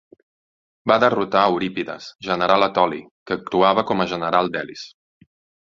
Va derrotar a Eurípides, general etoli, que actuava com a general d'Elis.